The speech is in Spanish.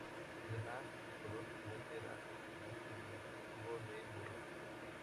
Además, su color chocolate era motivo de burlas.